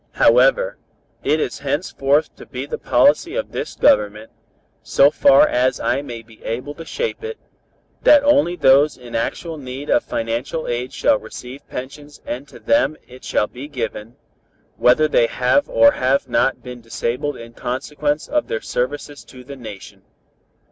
However, it is henceforth to be the policy of this Government, so far as I may be able to shape it, that only those in actual need of financial aid shall receive pensions and to them it shall be given, whether they have or have not been disabled in consequence of their services to the nation.